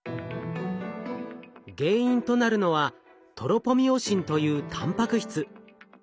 原因となるのはトロポミオシンというたんぱく質。